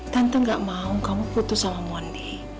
tante gak mau kamu putus sama mondi